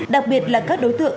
đặc biệt là các đối tượng